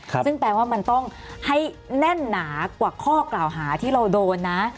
ซึ่งแปลว่ามันต้องให้แน่นหนากว่าข้อกล่าวหาที่เราโดนนะ